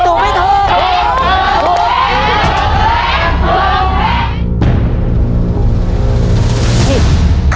ถูกไม่ถูก